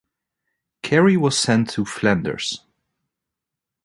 Cary was sent to Flanders.